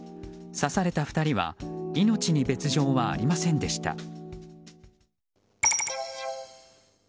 刺された２人は命に別条はありませんでした。